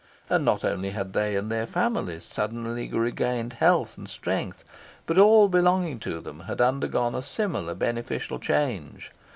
And not only had they and their families suddenly regained health and strength, but all belonging to them had undergone a similar beneficial change.